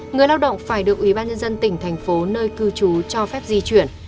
người lao động phải được ủy ban nhân dân tỉnh thành phố nơi cư trú cho phép di chuyển